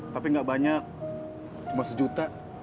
tapi nggak banyak cuma sejuta